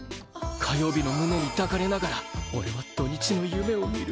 火曜日の胸に抱かれながら俺は土日の夢を見る。